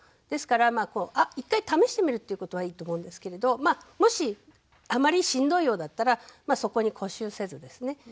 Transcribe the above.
ですから１回試してみるっていうことはいいと思うんですけれどもしあんまりしんどいようだったらそこに固執せずですね